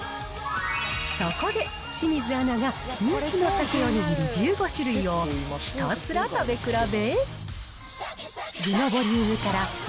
そこで、清水アナが人気のサケお握り１５種類をひたすら食べ比べ。